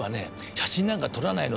写真なんか撮らないの。